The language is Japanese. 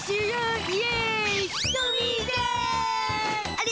あれ？